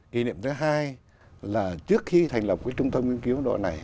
kỷ niệm thứ hai là trước khi thành lập cái trung tâm nghiên cứu ấn độ này